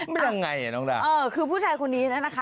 ยังไงอ่ะน้องดาวเออคือผู้ชายคนนี้นะคะ